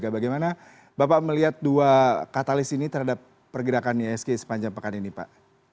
bagaimana bapak melihat dua katalis ini terhadap pergerakan isg sepanjang pekan ini pak